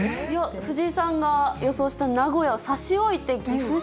藤井さんが予想した名古屋を差し置いて岐阜市。